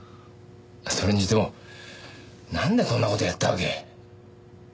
それにしてもなんでこんな事やったわけ？